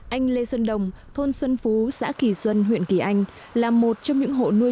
anh lê xuân đồng thôn xuân phú xã kỳ xuân huyện kỳ anh là một trong những hộ nuôi